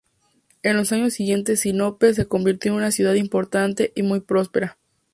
En los años siguientes Sinope se convirtió en una ciudad importante y muy próspera.